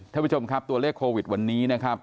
ท่านผู้ชมครับตัวเลขโควิดวันนี้นะครับ